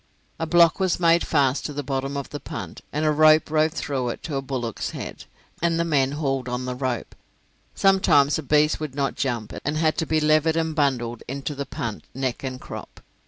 A block was made fast to the bottom of the punt, and a rope rove through it to a bullock's head, and the men hauled on the rope. Sometimes a beast would not jump, and had to be levered and bundled into the punt neck and crop.